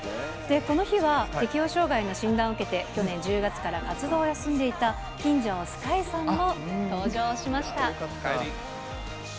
この日は、適応障害の診断を受けて、去年１０月から活動を休んでいた金城すかいさんも登場しました。